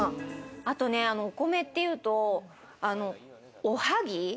あとお米でいうと、おはぎ。